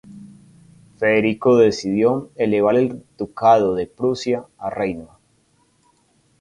Federico decidió elevar el ducado de Prusia a reino.